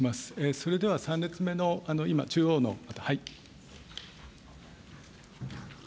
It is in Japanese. それでは３列目の今、中央の方。